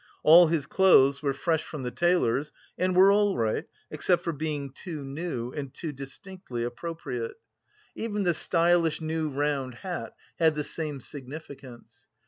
All his clothes were fresh from the tailor's and were all right, except for being too new and too distinctly appropriate. Even the stylish new round hat had the same significance.